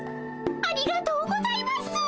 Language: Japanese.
ありがとうございます！